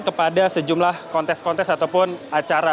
kepada sejumlah kontes kontes ataupun acara